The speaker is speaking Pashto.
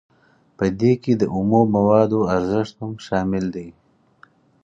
په دې کې د اومو موادو ارزښت هم شامل دی